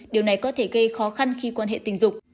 điều này có thể gây khó khăn khi quan hệ tình dục